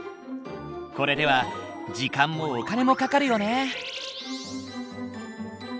これでは時間もお金もかかるよね。